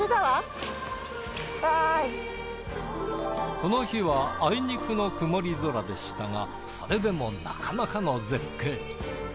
この日はあいにくのくもり空でしたがそれでもなかなかの絶景。